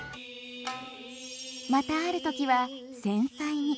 またある時は繊細に。